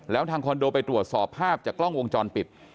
แล้วทางคอนโดไปตรวจสอบภาพจากกล้องวงจรปิด